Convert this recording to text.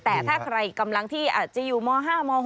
แต่ถ้าใครกำลังที่อาจจะอยู่ม๕ม๖